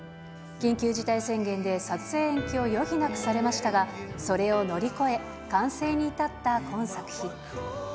緊急事態宣言で撮影延期を余儀なくされましたが、それを乗り越え、完成に至った今作品。